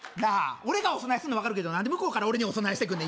俺がお供えすんの分かるけど何で向こうから俺にお供えしてくんねん？